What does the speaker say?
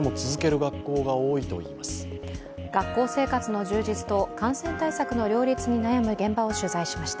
学校生活の充実と感染対策の両立に悩む現場を取材しました。